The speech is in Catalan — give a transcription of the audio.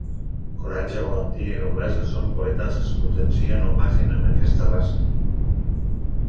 Coratge, valentia i noblesa són qualitats que es potencien al màxim en aquesta raça.